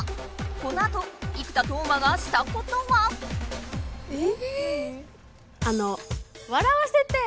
このあと生田斗真がしたことは？え？